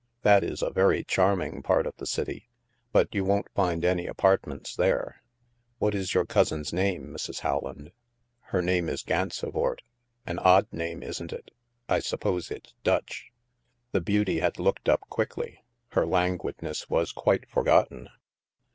That is a very charming part of the city; but you won't find any apartments there. What is your cousin's name, Mrs. Howland?" " Her name is Gansevoort ; an odd name, isn't it ? I suppose it's Dutch." The beauty had looked up quickly; her languid ness was quite forgotten.